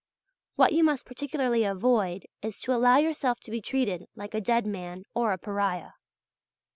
What you must particularly avoid is to allow yourself to be treated like a dead man or a pariah.